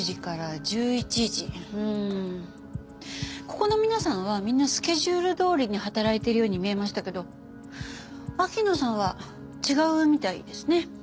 ここの皆さんはみんなスケジュールどおりに働いているように見えましたけど秋野さんは違うみたいですね。